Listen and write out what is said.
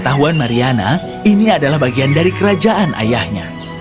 tapi bagi mariana ini adalah bagian dari kerajaan ayahnya